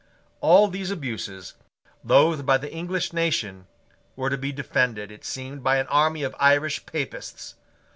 All these abuses, loathed by the English nation, were to be defended, it seemed, by an army of Irish Papists.